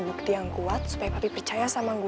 bukti yang kuat supaya kami percaya sama gue